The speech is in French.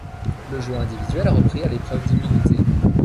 Le jeu individuel a repris à l'épreuve d'immunité.